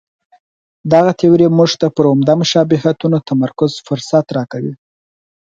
دغه تیوري موږ ته پر عمده مشابهتونو تمرکز فرصت راکوي.